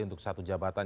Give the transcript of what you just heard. untuk satu jabatan